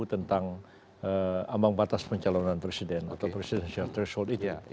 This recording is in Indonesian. tentang ambang batas pencalonan presiden atau presidensial threshold itu